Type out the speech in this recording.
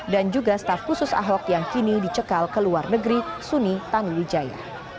dan juga staf khusus ahok yang kini dicekal ke luar negeri suni tanu wijaya